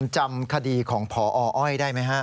จำคดีของพออ้อยได้ไหมฮะ